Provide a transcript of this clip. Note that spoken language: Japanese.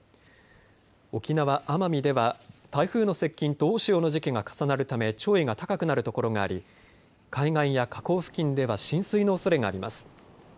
沖縄・奄美では台風の接近と大潮の時期が重なるため潮位が高くなるところがあり海岸や河口付近では浸水のおそれがあります。